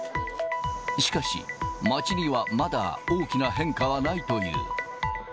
しかし、街にはまだ大きな変化はないという。